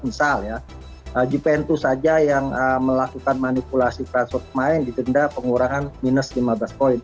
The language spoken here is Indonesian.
misal ya gpn dua saja yang melakukan manipulasi transfer pemain didenda pengurangan minus lima belas poin